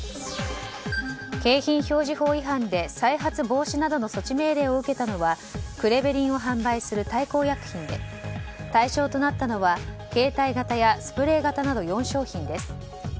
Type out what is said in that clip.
景品表示法違反で再発防止などの措置命令を受けたのはクレベリンを販売する大幸薬品で対象となったのは携帯型やスプレー型など４商品です。